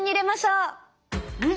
うん？